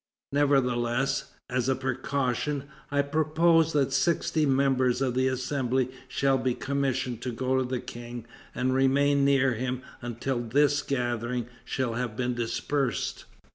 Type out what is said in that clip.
Nevertheless, as a precaution, I propose that sixty members of the Assembly shall be commissioned to go to the King and remain near him until this gathering shall have been dispersed."